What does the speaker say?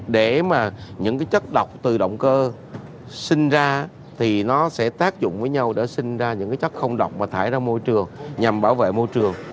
để mà những chất độc từ động cơ sinh ra thì nó sẽ tác dụng với nhau để sinh ra những chất không độc và thải ra môi trường nhằm bảo vệ môi trường